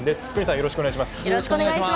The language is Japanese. よろしくお願いします。